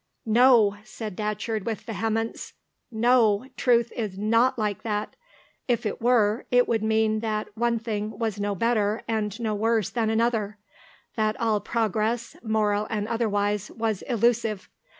"No," said Datcherd, with vehemence. "No. Truth is not like that. If it were, it would mean that one thing was no better and no worse than another; that all progress, moral and otherwise, was illusive.